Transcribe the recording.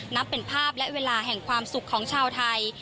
นับเป็นภาพและเวลาแห่งความสุขของชาวไทย